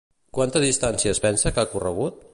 Quanta distància es pensa que ha corregut?